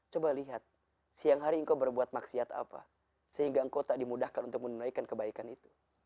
coba lihat siang hari engkau berbuat maksiat apa sehingga engkau tak dimudahkan untuk menunaikan kebaikan itu